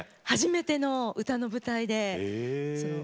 初めての歌の舞台です。